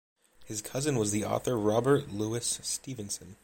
His cousin was the author Robert Louis Stevenson.